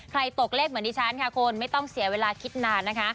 ตกเลขเหมือนดิฉันค่ะคุณไม่ต้องเสียเวลาคิดนานนะคะ